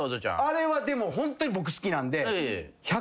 あれはでもホントに僕好きなんで。